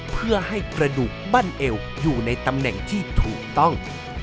เพื่อให้กระดูกบั้นเอวอยู่ในตำแหน่งที่ถูกต้อง